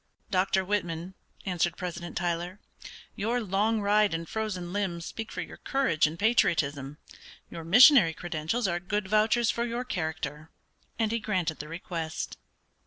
"Dr. Whitman," answered President Tyler, "your long ride and frozen limbs speak for your courage and patriotism; your missionary credentials are good vouchers for your character;" and he granted the request.